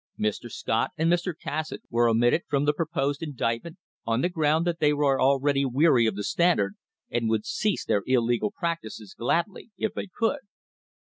Mr. Scott and Mr. Cassatt were omitted from the proposed indictment on the ground that they were already weary of the Standard, and would cease their illegal practices gladly if they could.